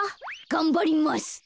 がんばります。